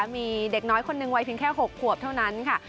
มีเด็กน้อยคนหนึ่งวัยเพียงแค่๖ขวบเท่านั้นค่ะ